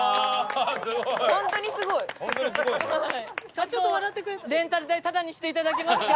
社長レンタル代タダにしていただけますか？